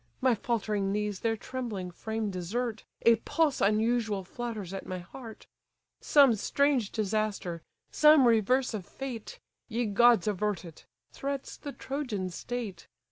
My faltering knees their trembling frame desert, A pulse unusual flutters at my heart; Some strange disaster, some reverse of fate (Ye gods avert it!) threats the Trojan state.